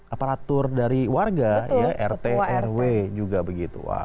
aparatur dari warga ya rt rw juga begitu